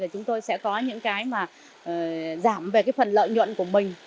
chúng tôi sẽ có những cái mà giảm về cái phần lợi nhuận của mình